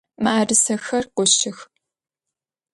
Мыӏэрысэхэр гощых!